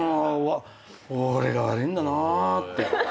俺が悪いんだなって。